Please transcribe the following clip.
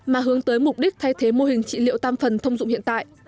mà hướng tới mục đích thay thế mô hình trị liệu tam phần thông dụng hiện tại